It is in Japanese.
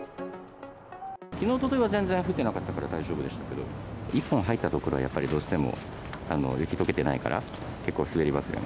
きのう、おとといは全然降ってなかったから大丈夫でしたけど、一本入った所は、どうしても雪とけてないから、結構滑りますよね。